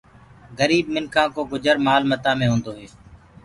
گريب منکآ ڪو گُجر مآل متآ مي هوندو هي۔